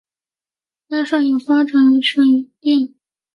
该省有发展水力发电和铜矿业的条件。